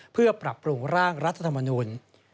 เพื่อปรับปรุงร่างรัฐธรรมนูล